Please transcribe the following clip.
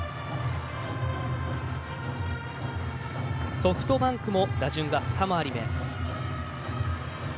ソフトバンクも打順が二回り目。